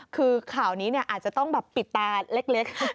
คือข่าวนี้อาจจะต้องแบบปิดตาเล็ก